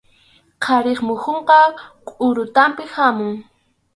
Qharip muhunqa qʼurutanpi hamun.